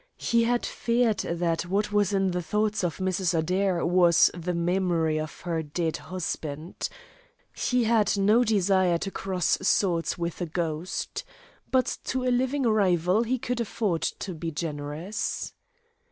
He had feared that what was in the thoughts of Mrs. Adair was the memory of her dead husband. He had no desire to cross swords with a ghost. But to a living rival he could afford to be generous.